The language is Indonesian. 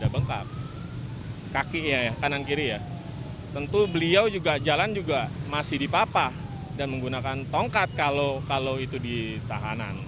beliau juga jalan juga masih dipapah dan menggunakan tongkat kalau itu ditahanan